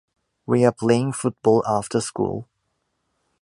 We are playing football after school.